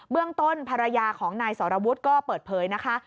เรื่องต้นภรรยาของนายสรวุฒิก็เปิดเผยนะคะ